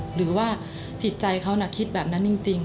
หรือว่าจิตใจเขาน่ะคิดแบบนั้นจริง